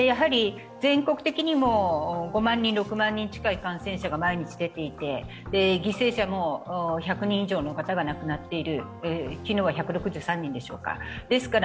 全国的にも５万人、６万人近い感染者が毎日出ていて犠牲者も１００人以上の方が亡くなっている昨日は１６３人でしょうか。